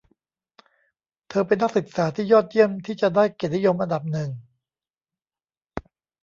เธอเป็นนักศึกษาที่ยอดเยี่ยมที่จะได้เกียรตินิยมอันดับหนึ่ง